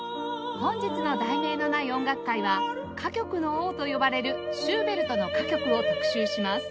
本日の『題名のない音楽会』は歌曲の王と呼ばれるシューベルトの歌曲を特集します